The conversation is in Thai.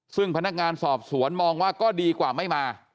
ซึ่งพนักงานสอบสวนมองว่าก็ดีกว่าไม่มา